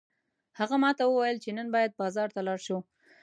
هغه ماته وویل چې نن باید بازار ته لاړ شو